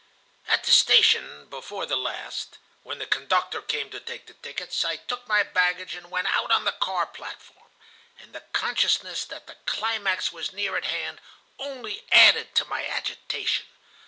"At the station before the last, when the conductor came to take the tickets, I took my baggage and went out on the car platform, and the consciousness that the climax was near at hand only added to my agitation.